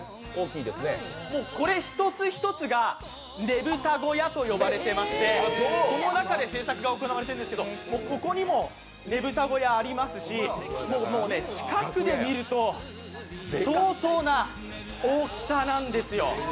これ一つ一つが、ねぶた小屋と呼ばれていまして、この中で製作が行われているんですけど、ここにもねぶた小屋がありますし、近くで見ると相当な大きさなんですよ！